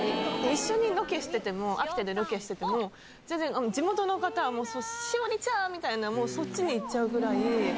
一緒にロケしてても、秋田でロケしてても、全然、地元の方はもう詩織ちゃん！みたいな、もうそっちにいっちゃうぐらい。